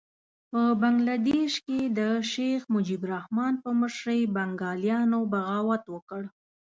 په بنګه دېش کې د شیخ مجیب الرحمن په مشرۍ بنګالیانو بغاوت وکړ.